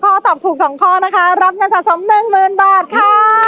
กลับไป๓ข้อตอบถูก๒ข้อนะคะรับกันสะสม๑๐๐๐๐บาทค่ะ